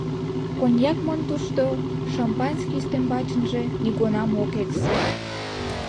Коньяк монь тушто, шампанский ӱстембачынже нигунам ок эксе.